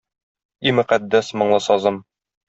И мөкаддәс моңлы сазым!